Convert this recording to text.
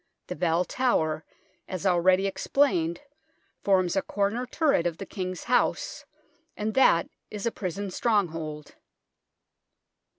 The Bell Tower, as already explained, forms a corner turret of the King's House, and that is a prison stronghold.